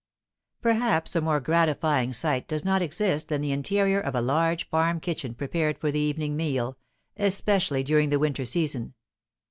Perhaps a more gratifying sight does not exist than the interior of a large farm kitchen prepared for the evening meal, especially during the winter season.